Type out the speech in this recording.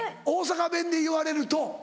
大阪弁で言われると。